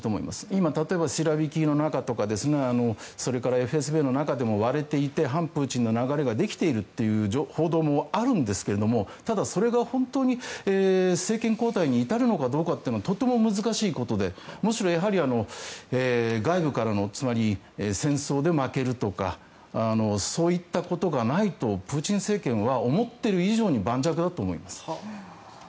今、例えばシロビキの中とかそれからＦＳＢの中でも割れていて、反プーチンの流れができているという報道もあるんですけどただ、それが本当に政権交代に至るのかどうかってとても難しいことでむしろ外部からのつまり戦争で負けるとかそういったことがないとプーチン政権は思っている以上に盤石だと思います。